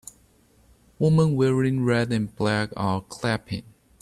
Women wearing red and black are clapping.